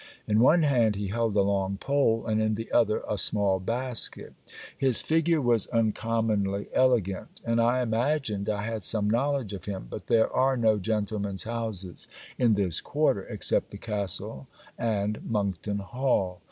In one hand he held a long pole; and in the other a small basket. His figure was uncommonly elegant; and I imagined I had some knowledge of him, but there are no gentlemen's houses in this quarter, except the castle and Monckton Hall.